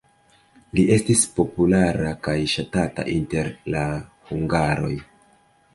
Li estis populara kaj ŝatata inter la hungaroj.